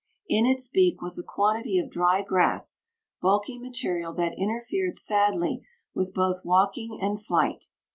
In its beak was a quantity of dry grass, bulky material that interfered sadly with both walking and flight.